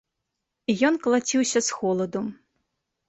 І ён калаціўся з холаду.